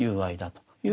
という